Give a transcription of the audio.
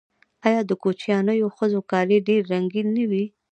آیا د کوچیانیو ښځو کالي ډیر رنګین نه وي؟